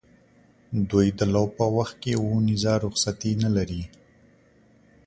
دوی د لو په وخت کې اونیزه رخصتي نه لري.